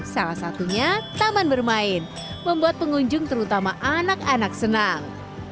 salah satunya taman bermain membuat pengunjung terutama anak anak senang